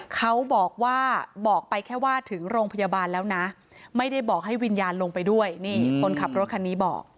เขาบอกว่าบอกไปแค่ว่าถึงโรงพยาบาลแล้วนะไม่ได้บอกให้วิญญาณลงไปด้วยนี่คนขับรถคันนี้บอก